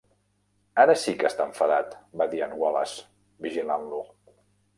"Ara sí que està enfadat", va dir en Wallace, vigilant-lo.